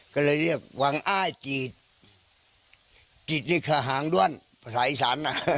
ก็เลยเรียกหวังไอ้กิจกิจนี่คือหางด้วนภาษาอีสานน่ะ